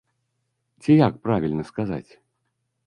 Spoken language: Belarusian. Ці як правільна сказаць?